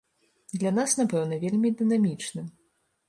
Для нас, напэўна, вельмі дынамічным.